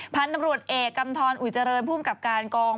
พันธุ์ตำรวจเอกกำทรอุเจริญภูมิกับการกอง